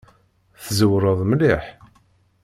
Tzewṛeḍ mliḥ!